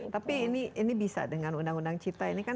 tapi ini bisa dengan undang undang cipta ini kan